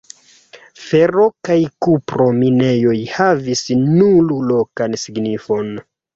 Fero- kaj kupro-minejoj havis nur lokan signifon.